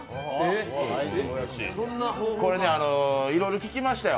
これね、いろいろ聞きましたよ